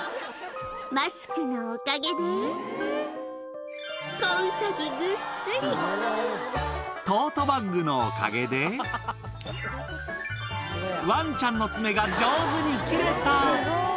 マスクのおかげで、トートバッグのおかげで、ワンちゃんの爪が上手に切れた。